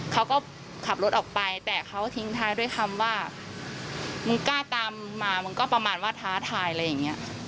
เขาก็ขับรถออกไปแต่เขาทิ้งท้ายด้วยคำว่ามึงกล้าตามมามึงก็ประมาณว่าท้าทายอะไรอย่างนี้